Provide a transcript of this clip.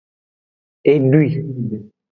E dwui.